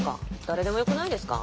誰でもよくないですか？